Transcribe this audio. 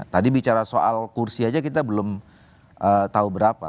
tadi bicara soal kursi aja kita belum tahu berapa